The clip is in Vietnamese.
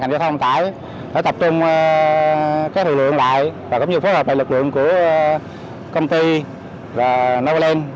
ngành giao thông hồ tải đã tập trung các thủy lượng lại và cũng như phối hợp bài lực lượng của công ty và novaland